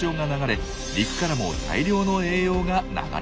陸からも大量の栄養が流れ込むからです。